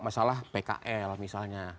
masalah pkl misalnya